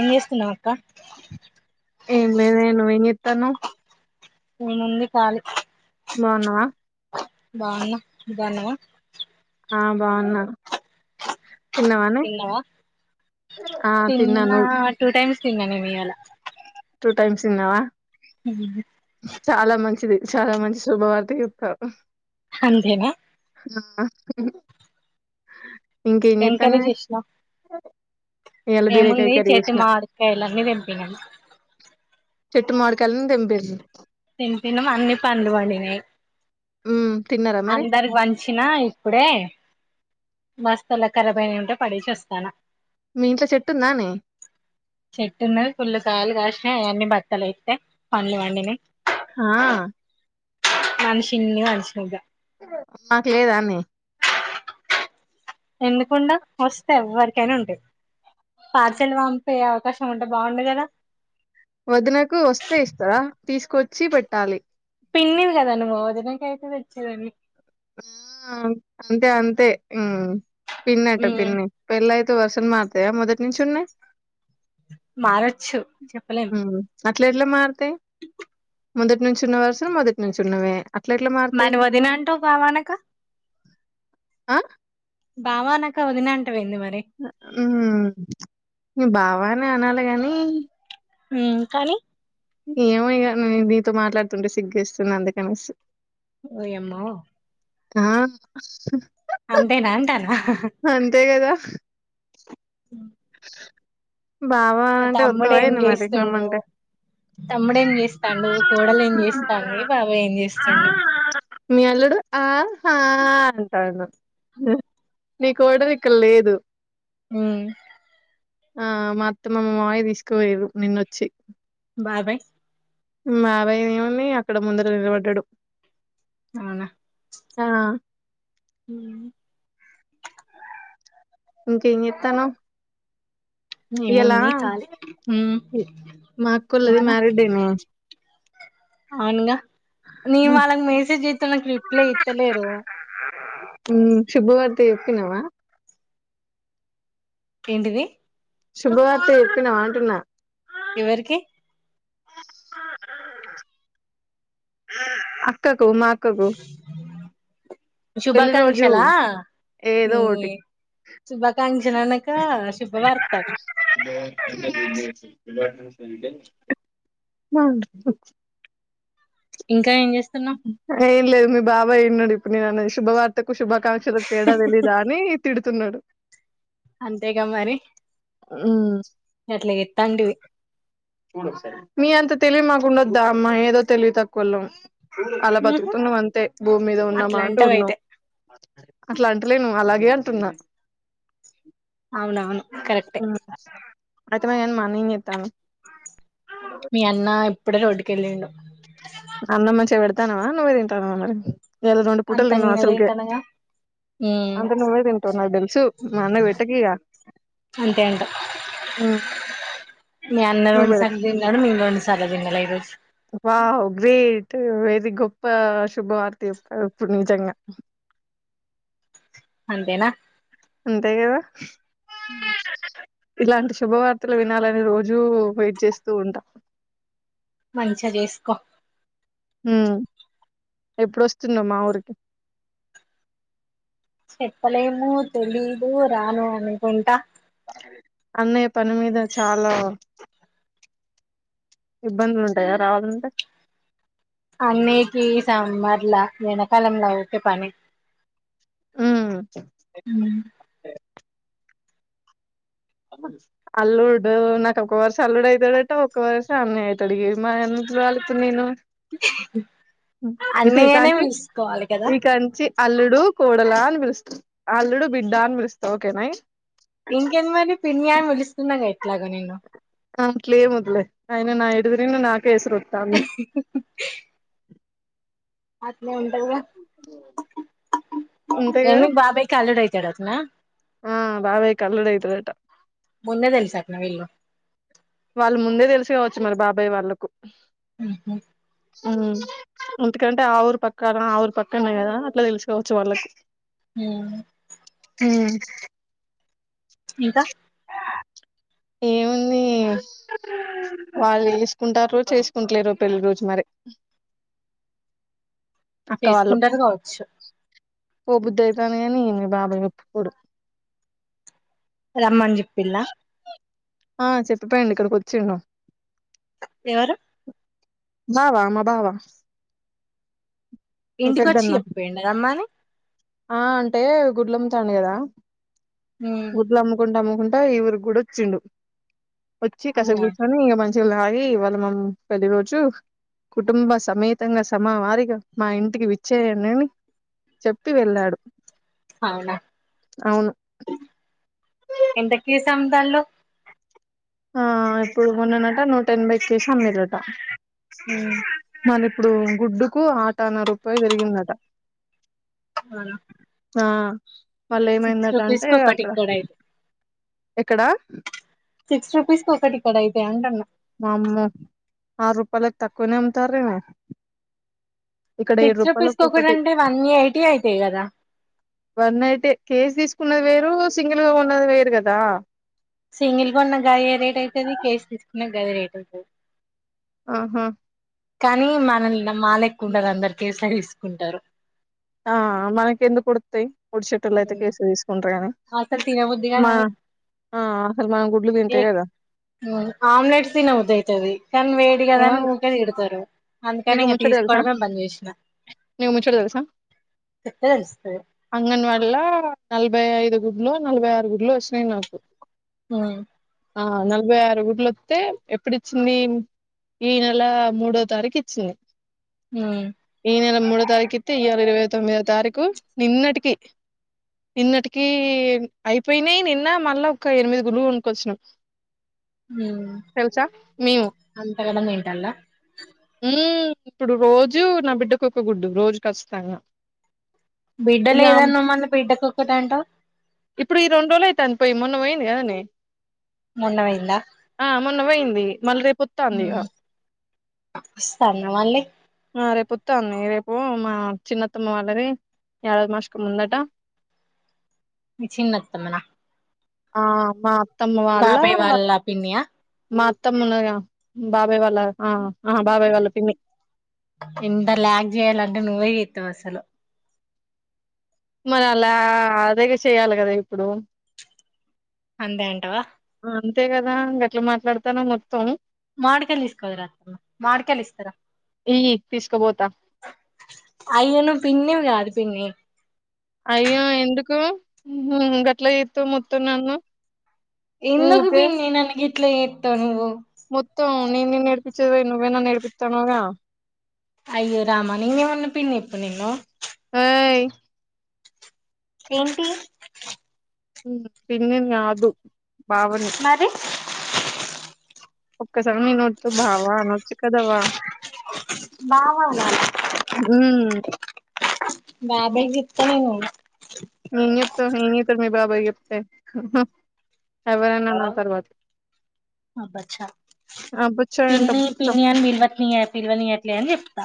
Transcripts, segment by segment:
ఏం చేస్తున్నావ్ అక్క తను నీనుంది ఖాళీ బావున్నావా బావున్నా నువ్ బావున్నావా ఆ బావున్నా తిన్నావా ఆ తిన్నాను కిందనే మియ్యాల టూ టైమ్స్ తిన్నావా చాలా మంచిది చాలా మంచి శుభవార్త చెప్పావు అంతేనా అ ఎంకరేజ్ చేసినా ఇయాల బీరకాయ ఏముంది కర్రీ చెట్టు చేసిన మాడికాయ్ లన్నీ తెంపినం చెట్టు మావిడికాయలన్ని తెంపిం తిని తిన్నం అన్ని పండు పండినాయి మ్మ్ తిన్నారా మరి అందరికి పంచినా ఇప్పుడే మస్త్ ల కరాబయి ఉంటే పడేసి వస్తాన్న మీ ఇంట్లో చెట్టు ఉందానే చెట్టున్నయ్ పుల్ కాయలు కాష్ హెయ్ అన్ని బత్తల ఏత్తే పండ్లు పండినయ్ హా మనుషిన్ని మనుషిన్నిగ మాకు లేదానే ఎందుకుండవ్ వస్తా ఎవ్వరికైనా ఉంటయ్ పార్సెల్ పంపే అవకాశం ఉంటే బావుండు కదా వదినకు వస్తే ఇస్తారా తీసుకొచ్చి పెట్టాలి పిన్నివి కద నువ్వు వదినకైతే తెచ్చేదాన్ని ఆ అంతే అంతే ఊమ్ పిన్నట ఉమ్ పిన్ని పెళ్ళై త్ వర్షన్ మారతయా మొదటి నుంచి ఉన్నాయ్ మారచ్చు చెప్పలేం అట్ల ఎట్ల మార్ తే మొదటి నుంచి ఉన్న వరుసల్ మొదటి నుంచి ఉన్నవే అట్ల ఎట్లా మారుతాయి మని వదినంటా వ్ బావన క ఆ బావానక వదినంట్ హ్మ్ హ్మ్ బావ బానే అనాలి గానీ హ్మ్ కానీ ఏమొ ఇగ నీ నీతో మాట్లాడుతుంటే సిగ్గేస్తుంది అందుకనేసి ఓ యమ్మో కామ్ అంతేనా అంటాన్న హ హ హ కదా బావా మ అంటే వత్తవా తమ్ముడేం ఏంది మరి చేస్తుండు రమ్మంటే తమ్ముడేం చేస్తాండు కోడలు ఏం చేస్తంధి బాబు ఏం చేస్తుండు. మీ అల్లుడు ఆ హా అంతావును హా నీకు కోడల్ ఇక్కడ లేదు హ్మ్ ఆ మా అత్తమ్మ మా మామయ్యా తీసుకుపోయిరు నిన్నొచ్చి బాయ్ బాయ్ మావయ్య దేముంది అక్కడ ముందట నిలబడ్డడు అవునా ఆ ఉమ్, ఇంకేం చెప్తానవ్ ని ముంది ఖాలి హ్మ్ మా అక్కోళ్ళది ఇవనా మ్యారేడ్ డేనే అవునుగ నీ వాళ్ళకి మెసేజ్ చేస్తన్న రిప్లై ఇత్తలేరు హ్మ్ శుభవార్త చెప్పినవా ఏంటిది శుభవార్త చెప్పినవా అంటున్న ఎవరికి [unintelligible] అక్కక్ ఉమాక్కకు పెళ్లి రోజు శుభాకాంక్షలా ఏదో ఈ ఒటి శుభాకాంక్షలు అనక శుభవార్త హ్మ్ ఇ ఉహుమ్ ఏంల్లేదు మీ బాబాయ్ ఇన్నడు పులిదాని శుభవార్తకు శుభాకాంక్షలకు తేడా తెలీదా అని తిడుతున్నాడు అంతేగా మరి ఎట్ల చెబి తండవి మీ అంత తెలియ మాకుండొద్దా అమ్మా ఏదో తెలివి తక్కుళ్ళం అలా ఉహు బతుకుతునామ్ అంతే భూమి మీద ఉన్నాం అట్లా ఆ అంటూ అంటావు ఉన్నావు అయితే అట్లా అంటలే నువ్వు అలాగే అ కుతున్నా అవునవును కరెక్టే ఆ అత్తమ్మ మా అన్న ఏం చేతల్లు మీ అన్న ఇప్పుడే రోడ్డుకి వెళ్ళింండు అన్నమంచ ఈత్తనవ నువ్వేదింతనవ్ మరి ఇయాల రెండు పూటలు అంతా తిన్నావు నేను అసలుకే తింటనగా అంటే నువ్వే తింటావు నాకు తెలుసు మా అన్నకు పెట్టకు ఇగ అంతే అంట మీ అన్న నువ్వు పెడ రెండుసార్లు తిన్నాడు మేము మ చాలా తినలా ఈ రోజు వావ్ గ్రేట్ వెరీ గొప్ప శుభవార్త ఇస్తారు ఇప్పుడు నిజంగా అంతేనా అంతే కద ఉమ్ ఇలాంటి శుభవార్తలు వినాలని రోజూ వెయిట్ చేస్తూ ఉంటాం మంచిగా చేసుకో హ ఎప్పుడుొస్తున్నా మా ఊరికి చెప్పలేము తెలీదు రాను అనుకుంటా అన్నయ్య పని మీద చాలా ఇబ్బందులు ఉంటాయా రావాలంటే అన్నిక సమ్మర్లా వెనకాలంలో ఒకే పని ఉ ఉమ్ అల్లుడు నాకు ఒక వరుస అల్లుడు అవుతాడుటో ఒక్క వరుస అన్న అవుతాడు మా ఎందులో వెళ్త నేను అన్నయ్యనే చీకాంచి పిలుసుకోవాలి కదా చకాంచి అల్లుడుూ కోడలా అని పిలుస్తా అల్లుడు బిడ్డ అని పిలుస్తా ఓకేనా ఇంకాఏంది మరి పన్యాన్ విలి తన్నగా ఇట్లాగా నను అయనా నా ఎటూ తిరిగిన నాక్ కేసోత మ అత్ అభి అంతేగా ఏమి బాబాయికిలడై తడతున్నా ఆ బావే కళడ తుట మున్నే తెలుసాకన వెళ్ళు వాళ్ళు ముందే తెలుసు కావచ్చు మరి బాబాయ్ వాళ్ళలకు ఉ హు ఎందుకంటే ఆ ఊరు పక్కన ఆ ఊరు పక్కనేయి కదా అట్లా తెలుసుకోవచ్చు వాళ్ళకి హు ఉమ్ ఇంకా ఏముంది వాళ్ళు వసుకుంటారు చేసుకుంటలేరు పెళ్లిి రోజు మరి చేసుకుంటారు కావచ్చు ఓ బుద్ధ అవుతానే అని మీ బాబా చెప్పుకోడు రమన్జిప్పలా ఆ చెప్పపోయిడి ఇక్కడికి వచ్చిండ ఎవరు బావ మా బావా మీ ఇంటికొచ్చి పెద్దన్న చెప్పపోయిన్నారు అమ్మాని ఆ అంటే గుడ్లమ్ తాను కదా వద్లు అమ్ముకుంట అముకుం అమ్ముకుంట అ ఇవరు గుూడచ్చిండు వచ్చి కాసేవు అవునా కుర్చీని ఎమన్ గి వాళ్ళ మం పెళ్లి రోజు కుటుంబ సమేతంగా సమావారిగా మా ఇంటికి విచ్చేయండి అని చెప్పి వెళ్ళాడు అవునా అవును ఎంతకేస్ సందలో ఆ ఇప్పుడు మొన్ననట నూట ఎనభై కేసి అమ్మిరట మన ఇప్ ఇప్పుడు గుడ్డుకు ఆటాన్న రూపాయి పెరిగిందట ఆ ఆ మళ్ళ ఏమైందటంటే కి ఒకటి అక్కడ ఇక్కడ అయితే ఎక్కడా సిక్స్ రూపీస్ క ఒకటిక్కడ అయితా అంట అన్న మామ్మ ఆరు రూపాయలకి తక్కువనే అమ్తారవ ఇక్కడ ఏడు సిక్స్ రూపాయలు రూపీస్ కి ఒకటి ఒక్కొక్కటి అంటే వన్ ఎయిటీ అయితాయి కదా వన్ నైట్ కేజీ తీసు ఉన్నది వేరు సింగిల్గా ఉన్నది వేరు గదా న గది రేట్ అయితది ఆహా కానీ మనల్న్ మాలెక్కుండందరకి స్లైస్ గుంటరు ఆ మనకేందుకుడుక్తయ్ పుడ్ సుట్టు లైటకేసి తీసుకుంటాయని అసలు తినబుద్ధిగా కాదు అసలు మనం గుడ్లు తింటే ఎక్ కదా ఉ ఆమ్లెట్స్ తినవుదైతది కన్వే దిగదని ఊకె తిడతారు అందుకని నీకో ఇంక ముచ్చట దెల్స తీసుకోవడమే బంద్ చేసిన నీకో ముచ్చట దెల్స చెప్తే తెలుస్తది అంగన్వాడలా నల్బ్ భై ఐదు గుడ్లో నలభై ఆరు గుడ్లో వష్ణయ్ నాకు ఆ ఆ నలభై ఆరు గుడ్లోతే ఎప్పుడిచ్చింది. ఈ నెల మూడో తారీకీచ్ సే హ్మ్ ఈ నెల మూడో తారీకితే ఈయల ఇరవై తొమ్మిదో తారీఖు. నిన్నటికి, నిన్నటికీ అయిపెనాయి. నిన్న మళ్ళా ఒక ఎనిమిది గుడ్లు కొన్కొకోచ్చిన. హ్మ్ మేము అంతగనం మేన్ జల్లా హు ఇప్పుడు రోజు నా బిడ్డకోక గుడ్డు రోజు కస్తంగా బిడ్డ లేదనవ్ మల్ల బిడ్డకొక్కటంటవ్ ఇప్పుడు ఈ రెండు రోలైతంది పోయ్. మొన్న పోయింది గదానే మొన్న పోయిందా పెయి మాల్ రేప్ కొత్తందిగా వస్సందా మళ్ళీ రేపొత్తాంది. రేపు మా చిన్న అత్తమ్మ వాళ్లది ఏడాది మష్కం ఉందట మీ చిన్నత్తమ్మ నా ఆ మాత్ బాబై వాళ్ళా పిన్నియా త్తం ఉన్నదిగా. బాబాయ్ వాళ్ళ, ఆ ఆ బాబాయ్ వాళ్ళు పిన్ని ఇంత ల్యాగ్ జేయాలంటే నువ్వే ఎత్తవు అసలు మళ్ళా అదేగ చెయాల గదా ఇప్పుడు అంతే అంటావా ఆ అంతే గదా ఇంగ్ అట్లా మాట్లాడతానం మొత్ తనీ మాడికాయ్ల్ తీస్కోదురా మాడికయలిస్తారా. ఇయ్యి తీసుకపోతా. అయ్యో నువ్వు పిన్నివి గదు పిన్ని అయ్యో ఎందుకు గట్ల ఎతవ్ మొత్తం నన్ను ఎందుకు ఊకే పిన్ని ననకి ఇట్లా ఎత్త నువ్వు మొత్తం నేను నిన్ను ఏడిపిచేది పోయి నువ్వే నన్ను ఏడిపిస్తన్నావుగా అయ్యో రామాని ఇ వన్న పిన్న ఇప్పు నిన్నో ఓయ్ ఏంటి ఉమ్ పిన్నిని కాదు బావని మరి ఒక్కస్ తోమీది నోట్లు బావ అనొచ చిక్కదవా బావాగా ఉమ్ బాబయికి చెప్తదడేమో నేను చెప్తా ఏేం చెప్తారు మీ బాబాయ చెప్తేా హు హు ఎవరైనా నా తర్వాత అబ్బచ్చా ఆ బుచ్చ అంట పిన్ని బుచ్చ పిన్ని అని పిల్వని పిల్వని అట్లే అని చెప్తా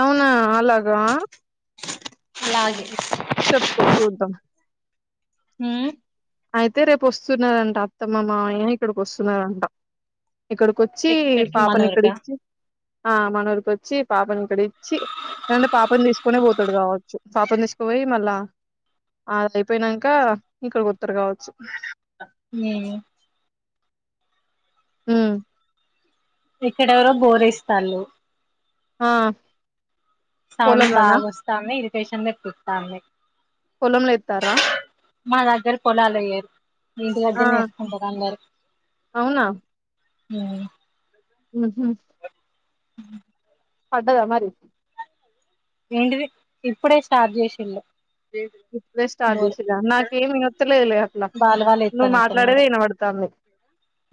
అవునా అలాగా అలాగే చెప్పుకో చూద్దాం హ్మ్మ్ అయితే రేపు వస్తున్నారంట అత్తమ్మ మా అయ ఇక్కడికి వస్తున్నారంట ఇక్కడికొచ్చి ఎక్కడికి పాపని ఇక్కడి మనూరుకా ఇచ్చి ఆ మనఊరికిొచ్చి పాపని ఇక్కడ ఇచ్చి ఎంటే పాపని తీసుకుొనే పోతాడు కావచ్చు పాపని తీసుకుపోయి మళ్ళా అది అయిపోనాక ఇక్కడకి అత్త కావచ్చు మే ఊ ఇక్కడెవరో గోరేస్తారుళు ఆ పోలంలనా స్టేషన్ కతాంది పొలంలు ఎతారా మా దగ్గర పొలాల లేయర్ ఇంటి ఆ వద్దే నేసుకుంటారు అందరూ ఉమ్ ఉహుమ్ అ పడ్డదా మరి వంటి ఇప్పుడే చార్జ్ చేసిడు ఇప్పుడే స్టార్ట్ చేసేదా నాకేమి విత్తలేదు అట్లా బాలు వాళ్ళు నువ్వు ఎత్తనట్టున్నారు మాట్లాడేది వినబడతా అంది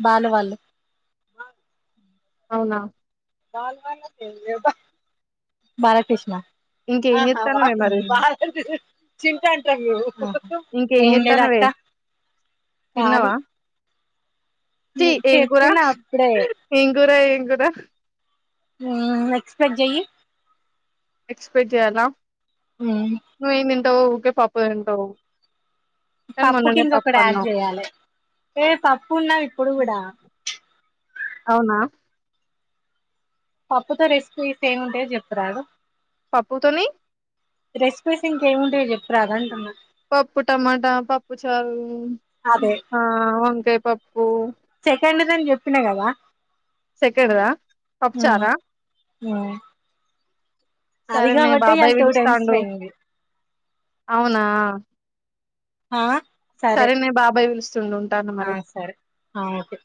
బాలు వాళ్ళు అవునా బాలకృష్ణ ఇంకేం చేత్తన్నవే మరి ఇంకేం ఏం లేద చేత్తన్నవే అక్క ాలీ చి ఏం కూర ఏం కూర ఏం ఇ కదా ఎక్స్పెక్ జయ ఎక్స్పెక్ట్ చేయ్యాలాన ఆ ఉంట ఓకే పాప ఉంటో పప్పుకి ఇంకొక యాడ్ చేయాలి ఏ పప్పు ఉన్నావు ఇప్పుడు కూడా అవునా పప్పుతో రిస్క్ ఇస్ ఏమింటేయో చెప్రాదు పప్పు తోని రెసిపీస్ ఇంకేముంటాయో చెప్పరాదంటున్న. పప్పు టమాటా పప్పు చాాలు వంకాయ పప్ ఓ సకండ్దని చెప్పిన కదా సెక్కర్ద పప్పుచార ఊ అది సరేనే కాబట్టి ఇళ బాబాయ్ టూ టైమ్స్ పిలుస్తాండు పోయింది అవునా ఆా సరేనే బాబాయ్ పిలుస్తుండి ఉంటాను ఆ మరి సరే ఆ ఓకే